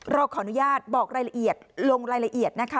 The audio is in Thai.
เราขออนุญาตบอกรายละเอียดลงรายละเอียดนะคะ